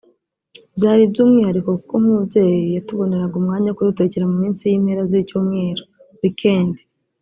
Byari iby’umwihariko kuko nk’umubyeyi yatuboneraga umwanya wo kudutekera mu minsi y’impera z’icyumweru (Weekend)